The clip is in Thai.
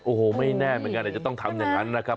โอ้โหไม่แน่เหมือนกันอาจจะต้องทำอย่างนั้นนะครับ